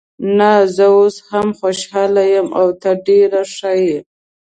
نه، زه اوس هم خوشحاله یم او ته ډېره ښه یې.